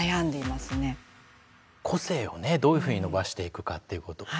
個性をねどういうふうに伸ばしていくかっていうこと。